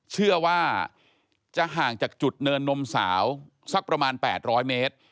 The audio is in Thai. เชื่อว่าจะห่างจากจุดเนินนมสาวสักประมาณ๘๐๐เมตร